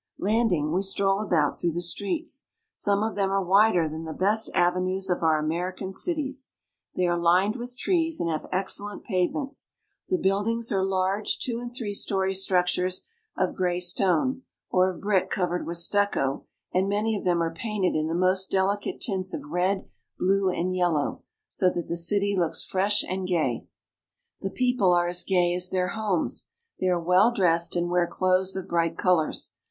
Landing, we stroll about through the streets. Some of them are wider than the best avenues of our American cities. They are lined with trees, and have excellent pave ments. The buildings are large two and three story struc tures of gray stone, or of brick covered with stucco ; and THE KINGDOM OF PORTUGAL. 449 many of them are painted in the most delicate tints of red, blue, and yellow, so that the city looks fresh and gay. The people are as gay as their homes. They are well dressed, and wear clothes of bright colors.